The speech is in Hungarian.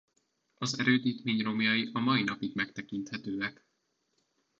Az erődítmény romjai a mai napig megtekinthetőek.